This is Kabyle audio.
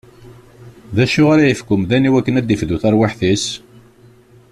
D acu ara yefk umdan iwakken ad d-ifdu tarwiḥt-is?